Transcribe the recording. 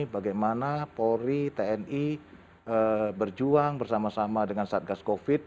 bagaimana polri tni berjuang bersama sama dengan satgas covid